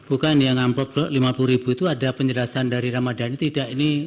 bukan ya ngampok lima puluh ribu itu ada penjelasan dari ramadhani tidak ini